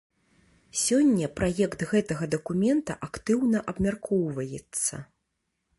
Сёння праект гэтага дакумента актыўна абмяркоўваецца.